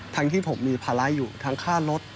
ที่ผมมีภาระอยู่ทั้งค่ารถ